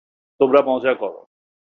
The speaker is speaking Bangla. তোমরা মজা করো।